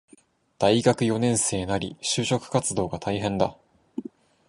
大学四年生なり、就職活動が大変だ